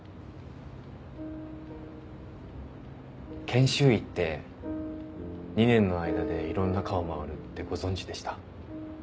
研修医って２年の間でいろんな科を回るってご存じでした？